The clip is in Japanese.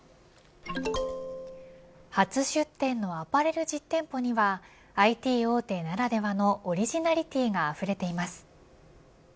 初出店のアパレル実店舗にはＩＴ大手ならではのオリジナリティーがあふれています。